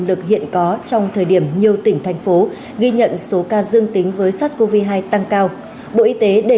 đến điểm tiêm vaccine